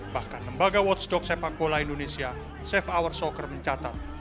bahkan lembaga watchdog sepak bola indonesia safe hour soccer mencatat